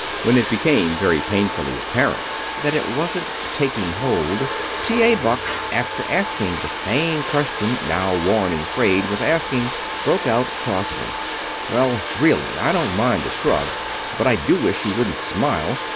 When it became very painfully apparent that it wasn't "taking hold," T.A. Buck, after asking the same question, now worn and frayed with asking, broke out, crossly: "Well, really, I don't mind the shrug, but I do wish you wouldn't smile.